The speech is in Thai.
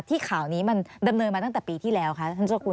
ข่าวนี้มันดำเนินมาตั้งแต่ปีที่แล้วคะท่านเจ้าคุณ